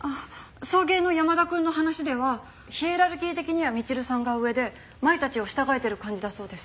送迎の山田くんの話ではヒエラルキー的にはみちるさんが上で麻衣たちを従えてる感じだそうです。